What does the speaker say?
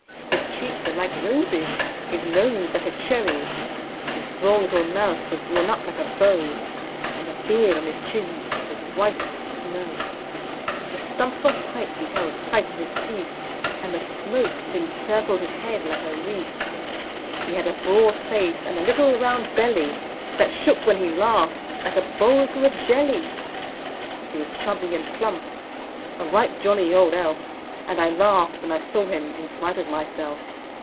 His cheeks were like roses, his nose like a cherry; His droll little mouth was drawn up like a bow, And the beard on his chin was as white as the snow; The stump of a pipe he held tight in his teeth, And the smoke, it encircled his head like a wreath. He had a broad face, and a little round belly That shook when he laughed, like a bowl full of jelly. He was chubby and plump a right jolly old elf; And I laughed when I saw him in spite of myself.